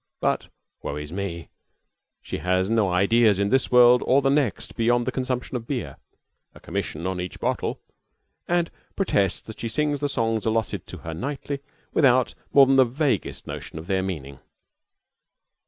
But woe is me! She has no ideas in this world or the next beyond the consumption of beer (a commission on each bottle), and protests that she sings the songs allotted to her nightly without more than the vaguest notion of their meaning.